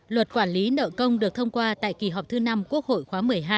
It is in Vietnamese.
luật quản lý nợ công được thông qua tại kỳ họp thứ năm quốc hội khóa một mươi hai